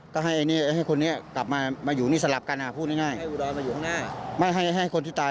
ก็ให้ไอ้เนี้ยให้คนนี้กลับมามาอยู่นี่สลับกันอ่ะพูดง่ายง่ายไม่ให้ให้คนที่ตาย